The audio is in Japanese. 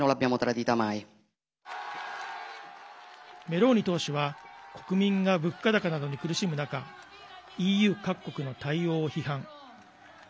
メローニ党首は国民が物価高などに苦しむ中ＥＵ各国の対応を批判。